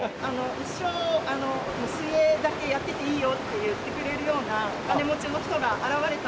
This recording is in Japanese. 一生水泳だけやってていいよって言ってくれるようなお金持ちの人が現れたら。